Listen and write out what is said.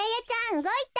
うごいた。